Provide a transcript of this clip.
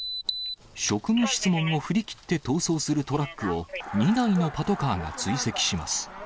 職務質問を振り切って逃走するトラックを、２台のパトカーが追跡します。